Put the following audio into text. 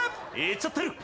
いっちゃってるー。